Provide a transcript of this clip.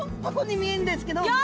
タコに見えるんですけど。